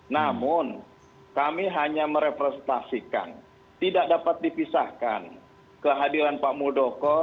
namun kami hanya merepresentasikan tidak dapat dipisahkan kehadiran pak muldoko